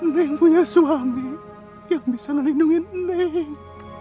neng punya suami yang bisa melindungi neng